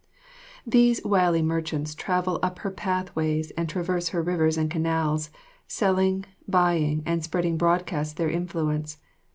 These wily merchants travel up her path ways and traverse her rivers and canals, selling, buying, and spreading broadcast their influence.